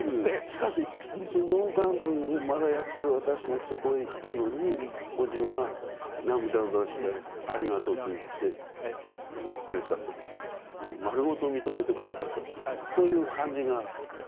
しかしその納棺夫をまだやってる私がそこへ行ったのにおじは涙を出してありがとうと言ってくれたと丸ごと認めてくれたとこういう感じが私したの。